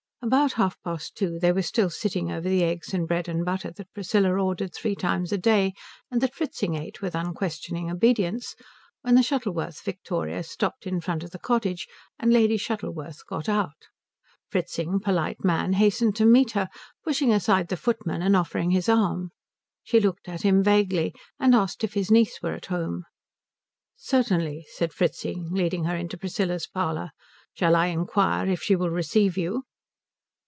About half past two they were still sitting over the eggs and bread and butter that Priscilla ordered three times a day and that Fritzing ate with unquestioning obedience, when the Shuttleworth victoria stopped in front of the cottage and Lady Shuttleworth got out. Fritzing, polite man, hastened to meet her, pushing aside the footman and offering his arm. She looked at him vaguely, and asked if his niece were at home. "Certainly," said Fritzing, leading her into Priscilla's parlour. "Shall I inquire if she will receive you?"